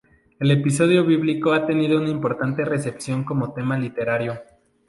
El episodio bíblico ha tenido una importante recepción como tema literario.